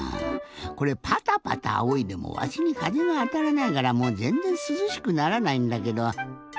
これパタパタあおいでもわしにかぜがあたらないからもうぜんぜんすずしくならないんだけど。